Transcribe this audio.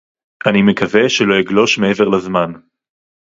אני מקווה שלא אגלוש מעבר לזמן